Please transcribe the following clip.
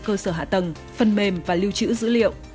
cơ sở hạ tầng phần mềm và lưu trữ dữ liệu